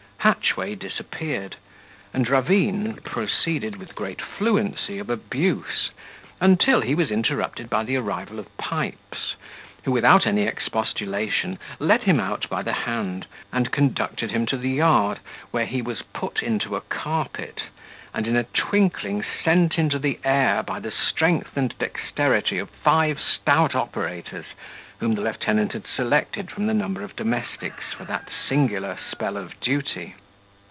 Hatchway disappeared; and Ravine proceeded with great fluency of abuse, until he was interrupted by the arrival of Pipes, who, without any expostulation, led him out by the hand, and conducted him to the yard, where he was put into a carpet, and in a twinkling sent into the air by the strength and dexterity of five stout operators, whom the lieutenant had selected from the number of domestics for that singular spell of duty.